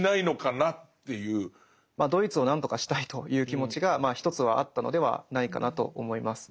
まあドイツを何とかしたいという気持ちがまあ一つはあったのではないかなと思います。